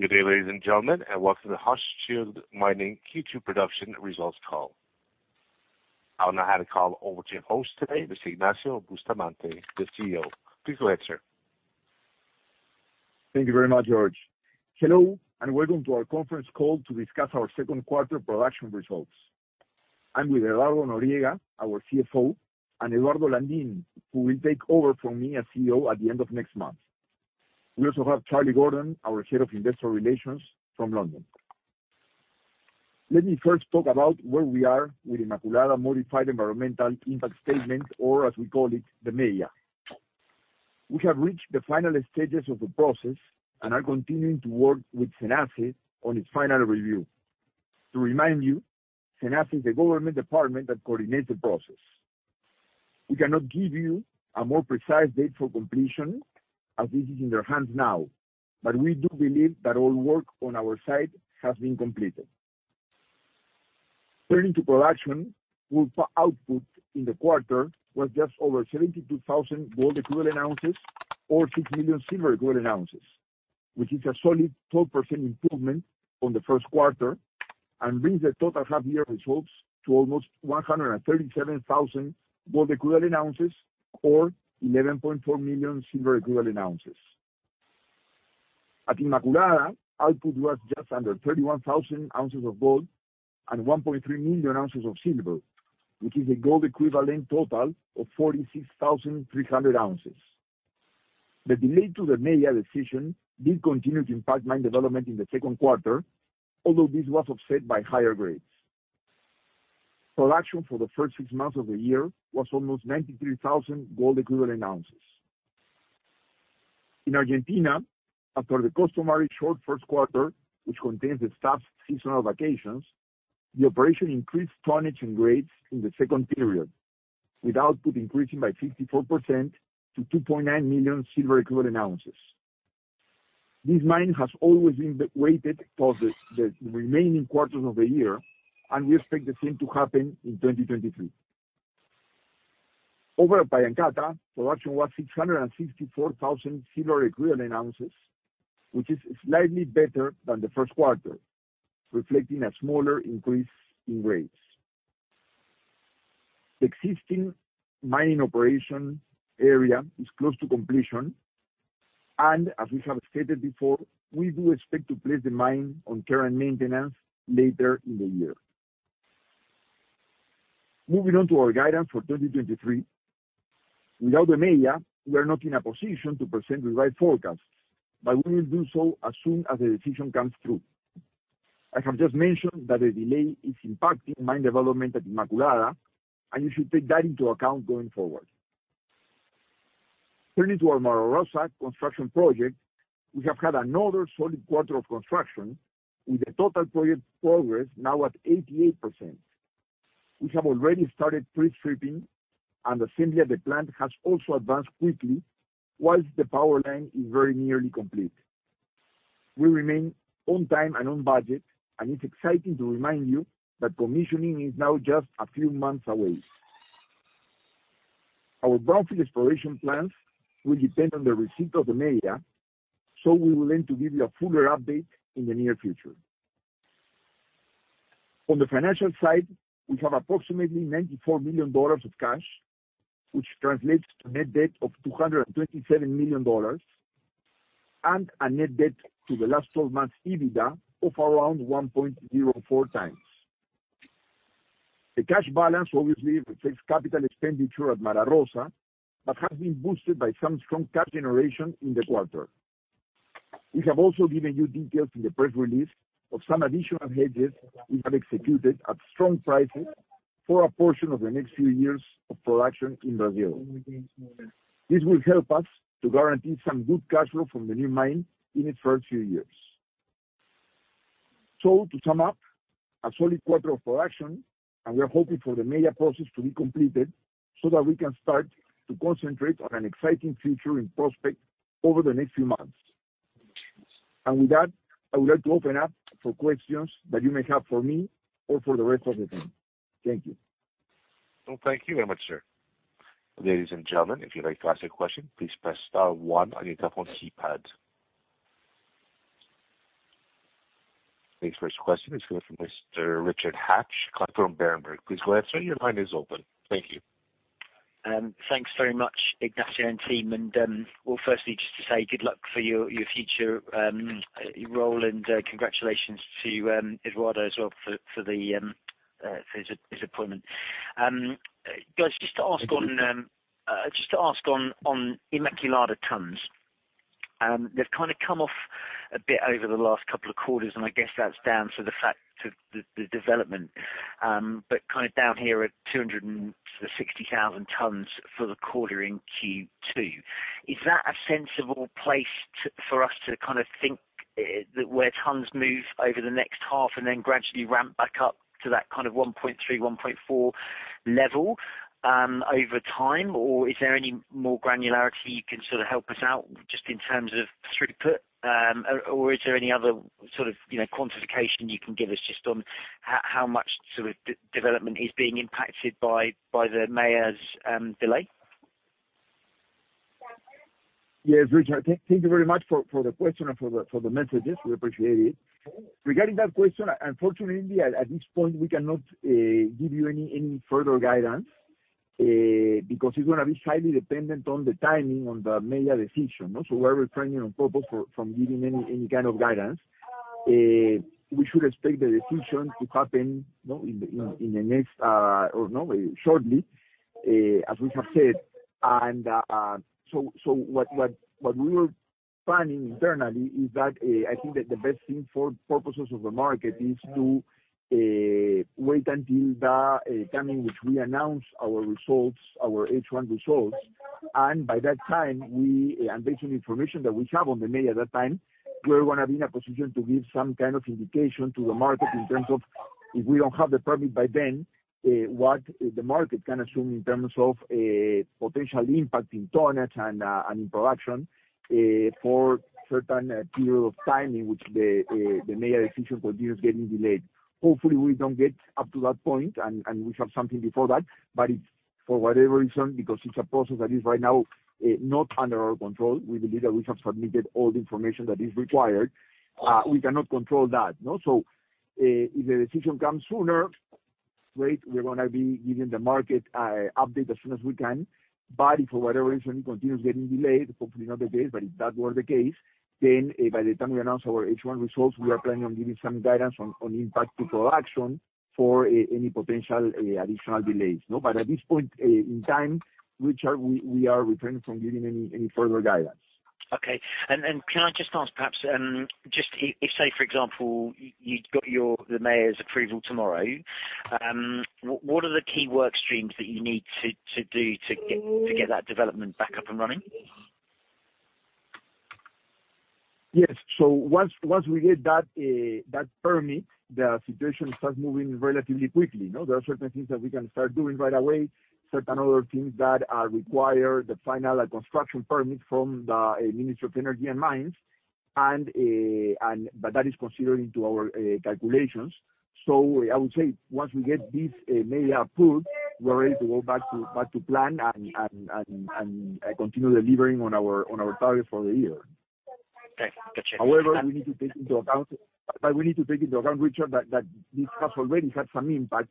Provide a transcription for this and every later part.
Good day, ladies and gentlemen, welcome to the Hochschild Mining Q2 Production Results Call. I'll now hand the call over to your host today, Mr. Ignacio Bustamante, the CEO. Please go ahead, sir. Thank you very much, George. Hello. Welcome to our conference call to discuss our second quarter production results. I'm with Eduardo Noriega, our CFO, and Eduardo Landín, who will take over from me as CEO at the end of next month. We also have Charlie Gordon, our Head of Investor Relations from London. Let me first talk about where we are with Inmaculada Modified Environmental Impact Assessment, or as we call it, the MEIA. We have reached the final stages of the process and are continuing to work with SENACE on its final review. To remind you, SENACE is the government department that coordinates the process. We cannot give you a more precise date for completion, as this is in their hands now, but we do believe that all work on our side has been completed. Turning to production, our output in the quarter was just over 72,000 gold equivalent ounces or 6 million silver equivalent ounces, which is a solid 12% improvement on the first quarter and brings the total half year results to almost 137,000 gold equivalent ounces or 11.4 million silver equivalent ounces. At Inmaculada, output was just under 31,000 ounces of gold and 1.3 million ounces of silver, which is a gold equivalent total of 46,300 ounces. The delay to the MEIA decision did continue to impact mine development in the second quarter, although this was offset by higher grades. Production for the first six months of the year was almost 93,000 gold equivalent ounces. In Argentina, after the customary short first quarter, which contains the staff's seasonal vacations, the operation increased tonnage and grades in the second period, with output increasing by 54% to 2.9 million silver equivalent ounces. This mine has always been the weighted for the remaining quarters of the year. We expect the same to happen in 2023. Over at Pallancata, production was 664,000 silver equivalent ounces, which is slightly better than the first quarter, reflecting a smaller increase in rates. The existing mining operation area is close to completion. As we have stated before, we do expect to place the mine on care and maintenance later in the year. Moving on to our guidance for 2023. Without the MEIA, we are not in a position to present the right forecast, but we will do so as soon as the decision comes through. I have just mentioned that the delay is impacting mine development at Inmaculada, and you should take that into account going forward. Turning to our Mara Rosa construction project, we have had another solid quarter of construction, with the total project progress now at 88%. We have already started pre-stripping, and assembly at the plant has also advanced quickly, whilst the power line is very nearly complete. We remain on time and on budget, and it's exciting to remind you that commissioning is now just a few months away. Our brownfield exploration plans will depend on the receipt of the MEIA, so we will aim to give you a fuller update in the near future. On the financial side, we have approximately $94 million of cash, which translates to a net debt of $227 million and a net debt to the last 12 months, EBITDA, of around 1.04x. The cash balance obviously reflects capital expenditure at Mara Rosa, but has been boosted by some strong cash generation in the quarter. We have also given you details in the press release of some additional hedges we have executed at strong prices for a portion of the next few years of production in Brazil. This will help us to guarantee some good cash flow from the new mine in the first few years. To sum up, a solid quarter of production, and we are hoping for the MEIA process to be completed so that we can start to concentrate on an exciting future in prospect over the next few months. With that, I would like to open up for questions that you may have for me or for the rest of the team. Thank you. Well, thank you very much, sir. Ladies and gentlemen, if you'd like to ask a question, please press star one on your telephone keypad. The first question is from Mr. Richard Hatch, client from Berenberg. Please go ahead, sir, your line is open. Thank you. Thanks very much, Ignacio and team. Well, firstly, just to say good luck for your future role, and congratulations to Eduardo as well for his appointment. Guys, just to ask on Inmaculada tonnes. They've kind of come off a bit over the last couple of quarters. I guess that's down to the fact of the development, but kind of down here at 260,000 tonnes for the quarter in Q2. Is that a sensible place for us to kind of think that where tonnes move over the next half and then gradually ramp back up to that kind of 1.3, 1.4 level over time? Is there any more granularity you can sort of help us out just in terms of throughput? Is there any other sort of, you know, quantification you can give us just on how much sort of development is being impacted by the MEIA's delay? Yes, Richard, thank you very much for the question and for the messages. We appreciate it. Regarding that question, unfortunately, at this point, we cannot give you any further guidance, because it's gonna be highly dependent on the timing on the MEIA decision. We're refraining on purpose from giving any kind of guidance. We should expect the decision to happen, you know, in the next, or no, shortly, as we have said. So what we were planning internally is that I think that the best thing for purposes of the market is to wait until the time in which we announce our results, our H1 results, and by that time, we and based on information that we have on the MEIA at that time, we're gonna be in a position to give some kind of indication to the market in terms of if we don't have the permit by then, what the market can assume in terms of potential impact in tonnage and in production for certain period of time in which the MEIA decision continues getting delayed. Hopefully, we don't get up to that point, and we have something before that. If for whatever reason, because it's a process that is right now, not under our control, we believe that we have submitted all the information that is required, we cannot control that, you know. If the decision comes sooner, great, we're gonna be giving the market, a update as soon as we can. If for whatever reason, it continues getting delayed, hopefully not the case, but if that were the case, then by the time we announce our H1 results, we are planning on giving some guidance on impact to production for any potential additional delays, you know. At this point in time, which are we are refraining from giving any further guidance. Okay. Can I just ask perhaps, if, say, for example, you'd got your, the MEIA's approval tomorrow, what are the key work streams that you need to do to get that development back up and running? Yes. Once we get that permit, the situation starts moving relatively quickly, you know, there are certain things that we can start doing right away, certain other things that require the final construction permit from the Ministry of Energy and Mines. That is considered into our calculations. I would say, once we get this MEIA approved, we're ready to go back to plan and continue delivering on our target for the year. Okay, got you. We need to take into account, Richard, that this has already had some impact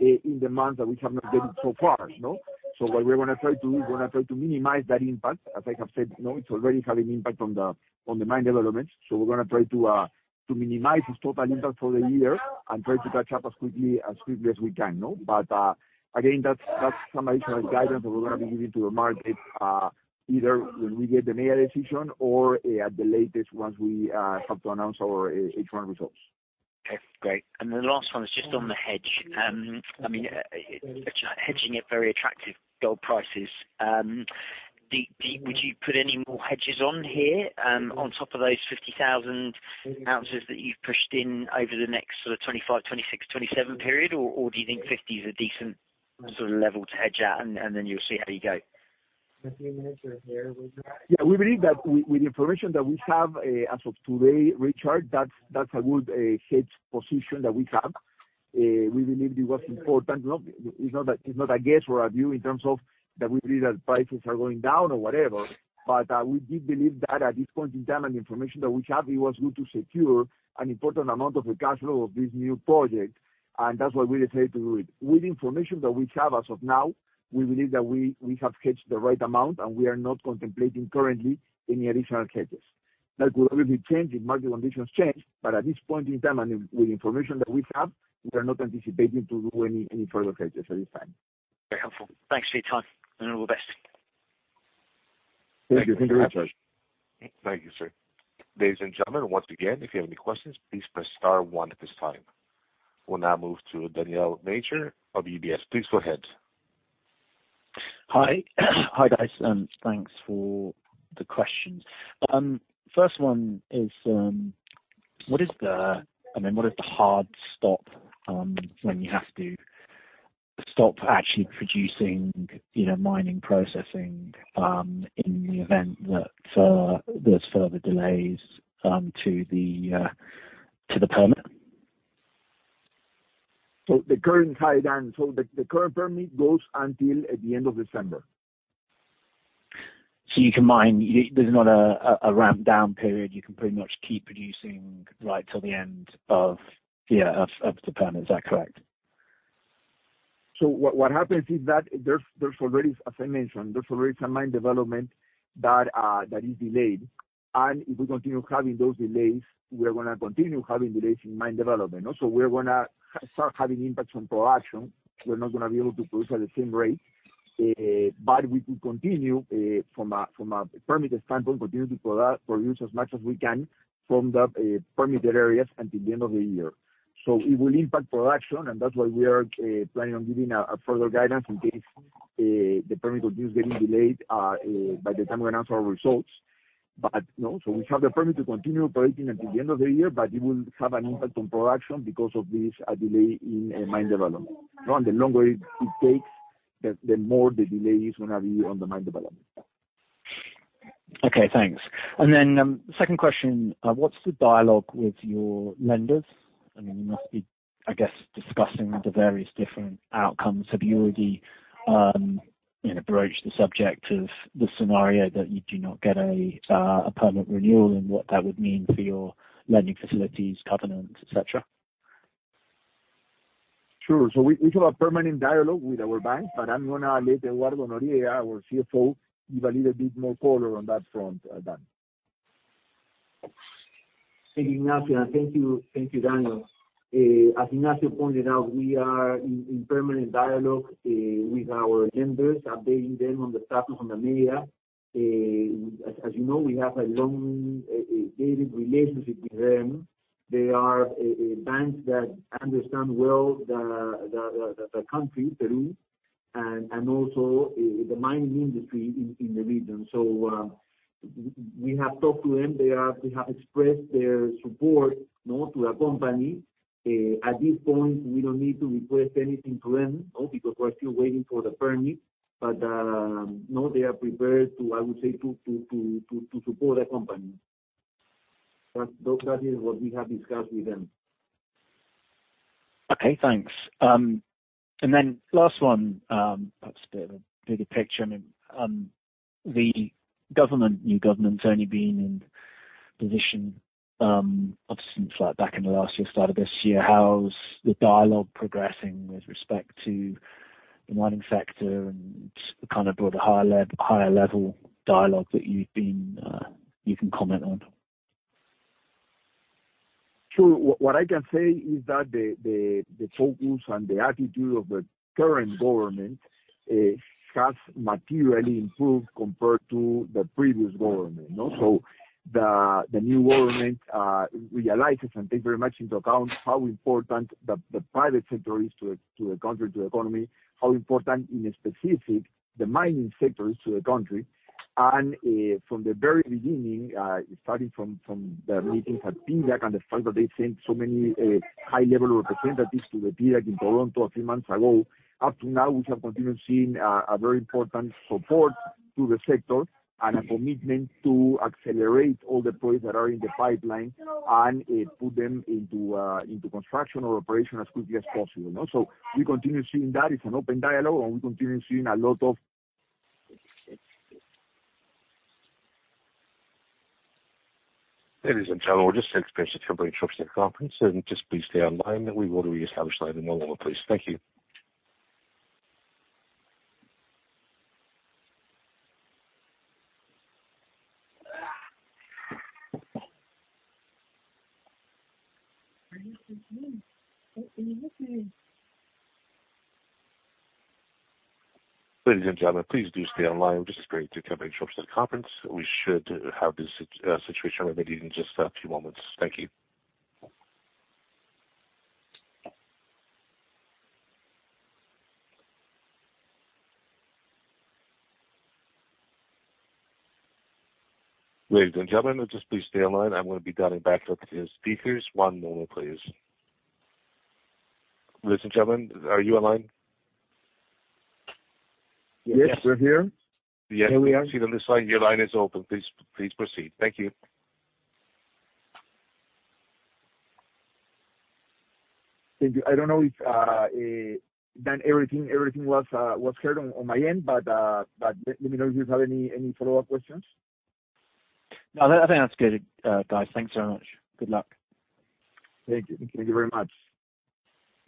in the months that we have not done it so far, you know? We're gonna try to minimize that impact. As I have said, you know, it's already having impact on the mine development. We're gonna try to minimize this total impact for the year and try to catch up as quickly as we can, you know. Again, that's some additional guidance that we're gonna be giving to the market either when we get the MEIA decision or at the latest, once we have to announce our H1 results. Okay, great. The last one is just on the hedge. I mean, hedging it very attractive gold prices. Would you put any more hedges on here on top of those 50,000 ounces that you've pushed in over the next sort of 2025, 2026, 2027 period? Do you think 50 is a decent sort of level to hedge at, and then you'll see how you go? We believe that with the information that we have, as of today, Richard, that's a good hedge position that we have. We believe it was important, you know, it's not a, it's not a guess or a view in terms of that we believe that prices are going down or whatever. We do believe that at this point in time, and the information that we have, it was good to secure an important amount of the cash flow of this new project, and that's why we decided to do it. With the information that we have as of now, we believe that we have hedged the right amount, and we are not contemplating currently any additional hedges. That will only be changed if market conditions change. At this point in time and with the information that we have, we are not anticipating to do any further hedges at this time. Very helpful. Thanks for your time, and all the best. Thank you. Thank you, Richard. Thank you, sir. Ladies and gentlemen, once again, if you have any questions, please press star one at this time. We'll now move to Daniel Major of UBS. Please go ahead. Hi. Hi, guys, thanks for the questions. First one is, what is the hard stop, when you have to stop actually producing, you know, mining, processing, in the event that there's further delays to the permit? The current timeline, so the current permit goes until at the end of December. You can mine. There's not a ramp down period. You can pretty much keep producing right till the end of, yeah, of the permit. Is that correct? What happens is that there's already, as I mentioned, there's already some mine development that is delayed. If we continue having those delays, we are gonna continue having delays in mine development. Also, we're gonna start having impacts on production. We're not gonna be able to produce at the same rate, but we could continue from a permit standpoint, continue to produce as much as we can from the permitted areas until the end of the year. It will impact production, and that's why we are planning on giving a further guidance in case the permit continues getting delayed by the time we announce our results. You know, so we have the permit to continue operating until the end of the year, but it will have an impact on production because of this delay in mine development. You know, the longer it takes, the more the delay is gonna be on the mine development. Okay, thanks. Second question, what's the dialogue with your lenders? I mean, you must be, I guess, discussing the various different outcomes. Have you already, you know, broached the subject of the scenario that you do not get a permanent renewal and what that would mean for your lending facilities, covenants, et cetera? Sure. We have a permanent dialogue with our bank. I'm gonna let Eduardo Noriega, our CFO, give a little bit more color on that front, Dan. Thank you, Ignacio. Thank you, Daniel. As Ignacio pointed out, we are in permanent dialogue with our lenders, updating them on the status on the MEIA. As you know, we have a long dated relationship with them. They are banks that understand well the country, Peru, and also the mining industry in the region. We have talked to them. They have expressed their support, you know, to our company. At this point, we don't need to request anything to them, you know, because we're still waiting for the permit. You know, they are prepared to, I would say, to support the company. Those are what we have discussed with them. Okay, thanks. Last one, perhaps a bit of bigger picture. I mean, the government, new government's only been in position, obviously, since like back in the last year, start of this year. How's the dialogue progressing with respect to the mining sector and just the kind of broader, higher level dialogue that you've been, you can comment on? Sure. What I can say is that the focus and the attitude of the current government has materially improved compared to the previous government, you know? The new government realizes and takes very much into account how important the private sector is to the country, to the economy, how important, in specific, the mining sector is to the country. From the very beginning, starting from the meetings at PDAC, and the fact that they sent so many high-level representatives to the PDAC in Toronto a few months ago, up to now, we have continued seeing a very important support to the sector and a commitment to accelerate all the projects that are in the pipeline and put them into construction or operation as quickly as possible, you know? We continue seeing that. It's an open dialogue. Ladies and gentlemen, we're just experiencing temporary interruption in the conference. Just please stay online. We will reestablish the line in one moment, please. Thank you. Ladies and gentlemen, please do stay online. We're just experiencing temporary interruption in the conference. We should have this situation remedied in just a few moments. Thank you. Ladies and gentlemen, would you just please stay online? I'm gonna be dialing back up the speakers. One moment, please. Ladies and gentlemen, are you online? Yes, we're here. Here we are. I see them this slide. Your line is open. Please proceed. Thank you. Thank you. I don't know if, Dan, everything was heard on my end, but let me know if you have any follow-up questions. No, I think that's good, guys. Thanks so much. Good luck. Thank you. Thank you very much.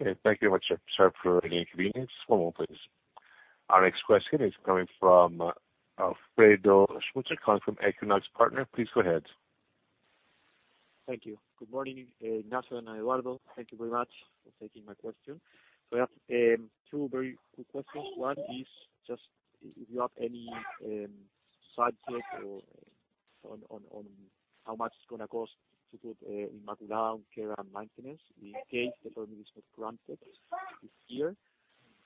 Okay, thank you very much, sir, sorry for the inconvenience. One moment, please. Our next question is coming from Alfredo Schmutzer, coming from Equinox Partners. Please go ahead. Thank you. Good morning, Ignacio and Eduardo. Thank you very much for taking my question. I have two very quick questions. One is just if you have any side track or on how much it's gonna cost to put in Inmaculada care and maintenance in case the permit is not granted this year?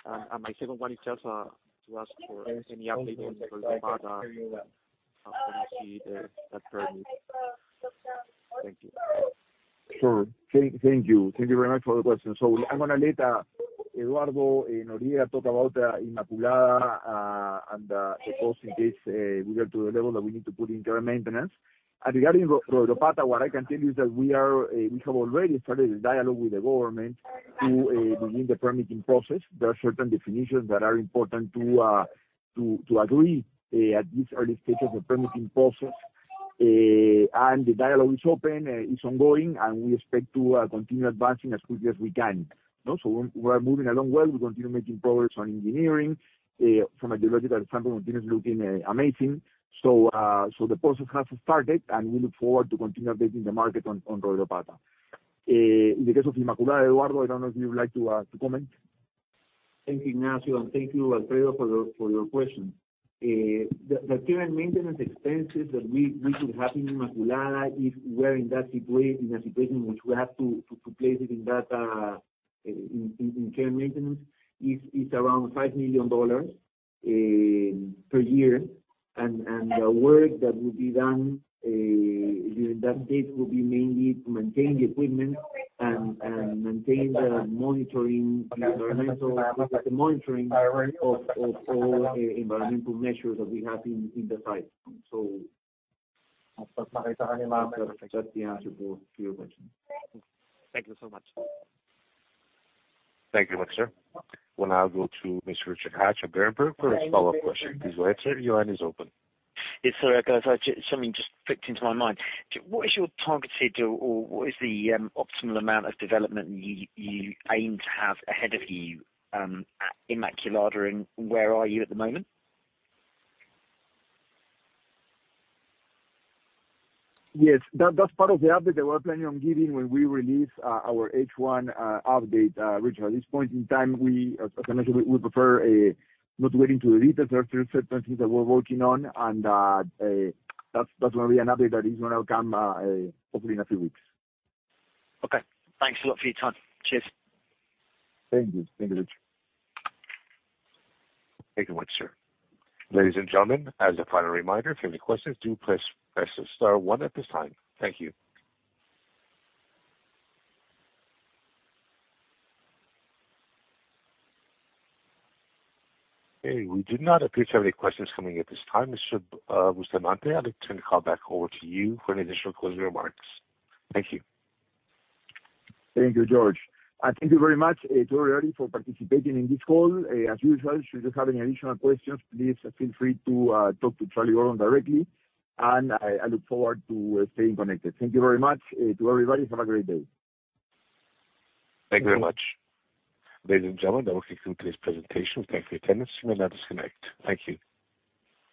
My second one is just to ask for any updates on Royropata, how do you see that permit? Thank you. Sure. Thank you. Thank you very much for the question. I'm gonna let Eduardo Noriega talk about Inmaculada, and of course, in case we get to the level that we need to put in care and maintenance. Regarding Royropata, what I can tell you is that we have already started a dialogue with the government to begin the permitting process. There are certain definitions that are important to agree at this early stages of the permitting process. The dialogue is open, is ongoing, and we expect to continue advancing as quickly as we can. You know, we're moving along well. We continue making progress on engineering. From a geological sample, continues looking amazing. The process has started. We look forward to continue updating the market on Royropata. In the case of Inmaculada, Eduardo, I don't know if you would like to comment. Thank you, Ignacio, thank you, Alfredo, for your question. The current maintenance expenses that we should have in Inmaculada, if we're in that situation, in a situation which we have to place it in that in care and maintenance, is around $5 million per year. The work that will be done during that date will be mainly to maintain the equipment and maintain the monitoring, the environmental monitoring of all environmental measures that we have in the site. That's the answer to your question. Thank you so much. Thank you, sir. We'll now go to Mr. Richard Hatch at Berenberg for a follow-up question. Please go ahead, sir. Your line is open. Yes, sorry, guys, I just. Something just clicked into my mind. What is your targeted or what is the optimal amount of development you aim to have ahead of you at Inmaculada, and where are you at the moment? Yes, that's part of the update that we're planning on giving when we release our H1 update, Richard. At this point in time, we, as I mentioned, we prefer not getting into the details. There are certain things that we're working on, and that's gonna be an update that is gonna come hopefully in a few weeks. Okay. Thanks a lot for your time. Cheers. Thank you. Thank you, Richard. Thank you, once, sir. Ladies and gentlemen, as a final reminder, if you have any questions, do press star one at this time. Thank you. Okay, we do not appear to have any questions coming at this time. Mr. Bustamante, I'd like to turn the call back over to you for any additional closing remarks. Thank you. Thank you, George. Thank you very much to everybody for participating in this call. As usual, should you have any additional questions, please feel free to talk to Charlie Gordon directly, and I look forward to staying connected. Thank you very much to everybody. Have a great day. Thank you very much. Ladies and gentlemen, that will conclude today's presentation. Thank you for your attendance. You may now disconnect. Thank you.